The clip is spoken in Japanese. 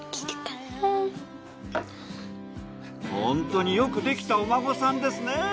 本当によくできたお孫さんですね。